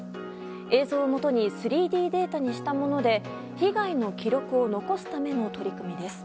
映像をもとに３Ｄデータにしたもので被害の記録を残すための取り組みです。